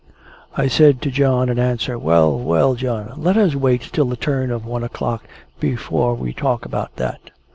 I said to John in answer, "Well, well, John! Let us wait till the turn of one o'clock, before we talk about that."